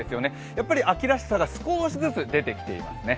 やっぱり秋らしさが少しずつ出てきていますね